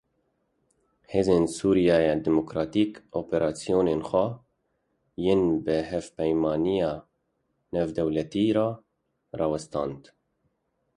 Hêzên Sûriya Demokratîk operasyonên xwe yên bi Hevpeymaniya Navdewletî re rawestand.